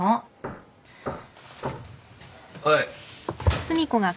はい。